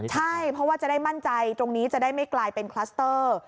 ใช่เพราะว่าจะได้มั่นใจตรงนี้จะได้ไม่กลายเป็นคลัสเตอร์